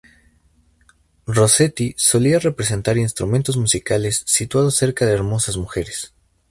Rossetti solía representar instrumentos musicales situados cerca de hermosas mujeres.